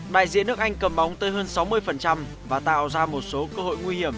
đại diện nước anh cầm bóng tới hơn sáu mươi và tạo ra một số cơ hội nguy hiểm